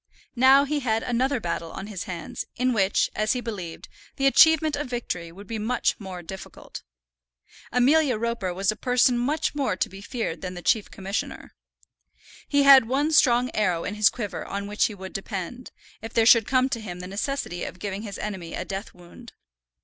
Now he had another battle on his hands, in which, as he believed, the achievement of victory would be much more difficult. Amelia Roper was a person much more to be feared than the Chief Commissioner. He had one strong arrow in his quiver on which he would depend, if there should come to him the necessity of giving his enemy a death wound.